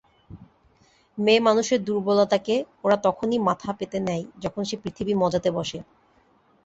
মেয়েমানুষের দুর্বলতাকে ওরা তখনই মাথা পেতে নেয় যখন সে পৃথিবী মজাতে বসে।